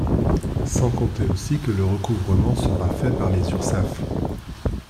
Sans compter aussi que le recouvrement sera fait par les URSSAF.